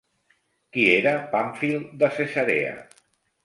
Qui era Pàmfil de Cesarea?